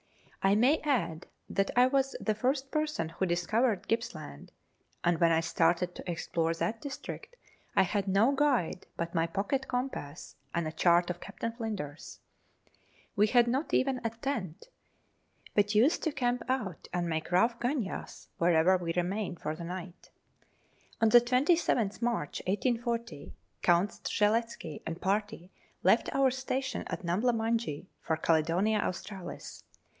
I may add that I was the first person who discovered Gipps land, and when I started to explore that district I had no guide but my pocket compass and a chart of Captain Flinders. We had not even a tent, but used to camp out and make rough gunyahs wherever we remained for the night. On the 27th March 1840, Count Strzelecki and party left our station at Numbla Munjee for Caledonia Australis.